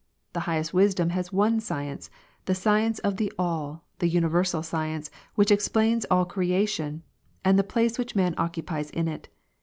The highest wisdom has one science, the science of the All, the universal science which explains all creation, and the place which man occupies in it.